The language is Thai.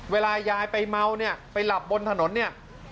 เวลายายไปเมาเนี่ยไปหลับบนถนนเนี่ย